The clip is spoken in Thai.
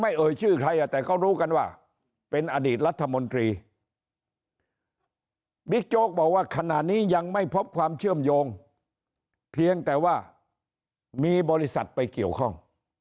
บิ๊กโจ๊กบอกว่าขณะนี้ยังไม่พบความเชื่อมโยงเพียงแต่ว่ามีบริษัทไปเกี่ยวข้อง